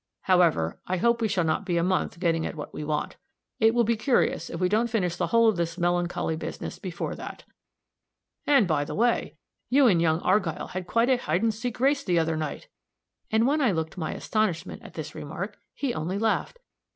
However, I hope we shall not be a month getting at what we want. It will be curious if we don't finish the whole of this melancholy business before that. And, by the way, you and young Argyll had quite a hide and seek race the other night!" and when I looked my astonishment at this remark, he only laughed.